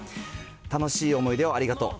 楽しい思い出をありがとう。